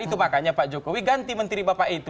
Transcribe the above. itu makanya pak jokowi ganti menteri bapak itu